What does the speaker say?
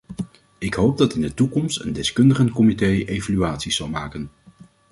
Ik hoop dat in de toekomst een deskundigencomité evaluaties zal maken.